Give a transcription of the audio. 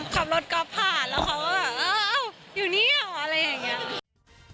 ขับรถก๊อฟผ่านแล้วเขาก็แบบอ้าวอยู่เนี่ยอะไรอย่างนี้